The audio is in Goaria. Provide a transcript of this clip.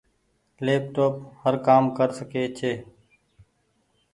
ليپ ٽوپ هر ڪآ م ڪر ڪسي ڇي۔